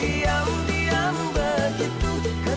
tuh atur dulu ya